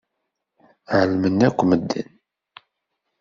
Ɛelmen akk medden.